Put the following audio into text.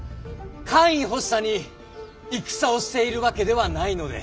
官位欲しさに戦をしているわけではないので。